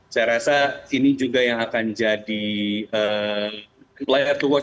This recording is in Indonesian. saya rasa ini juga yang akan jadi pilihan yang lebih baik